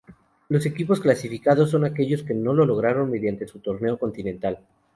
Los equipos clasificados son aquellos que no lo lograron mediante su torneo continental.